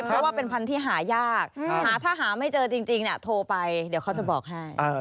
เพราะว่าเป็นพันธุ์ที่หายากหาถ้าหาไม่เจอจริงโทรไปเดี๋ยวเขาจะบอกให้